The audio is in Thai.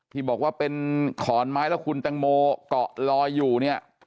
ที่บอกว่าเป็นขอนไม้แล้วคุณแตงโมเกาะลอยอยู่เนี่ย